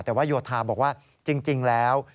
แต่ว่าโยธาบอกว่าจริงแล้ว